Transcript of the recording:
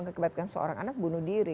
itu bisa membuatkan seorang anak bunuh diri